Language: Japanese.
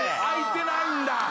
開いてないんだ。